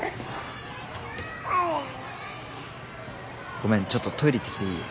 ごめんちょっとトイレ行ってきていい？